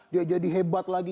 dia jadi hebat lagi